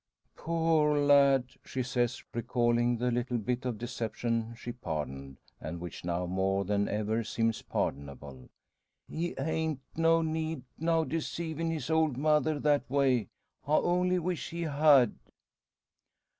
"Poor lad!" she says, recalling the little bit of deception she pardoned, and which now more than ever seems pardonable; "he hain't no need now deceivin' his old mother that way. I only wish he had."